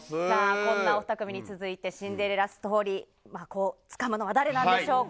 こんなお２組に続いて、シンデレラストーリー、つかむのは誰なんでしょうか。